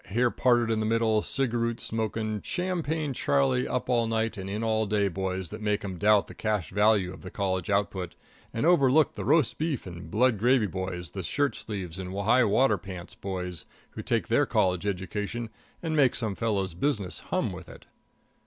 hair parted in the middle, cigaroot smoking, Champagne Charlie, up all night and in all day boys that make 'em doubt the cash value of the college output, and overlook the roast beef and blood gravy boys, the shirt sleeves and high water pants boys, who take their college education and make some fellow's business hum with it.